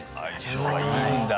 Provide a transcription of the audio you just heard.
相性はいいんだ。